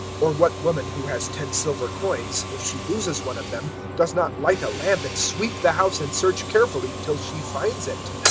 015:008 "Or what woman who has ten silver coins, if she loses one of them, does not light a lamp and sweep the house and search carefully till she finds it?